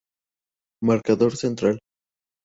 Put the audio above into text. Marcador Central.